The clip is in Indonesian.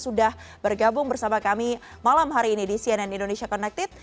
sudah bergabung bersama kami malam hari ini di cnn indonesia connected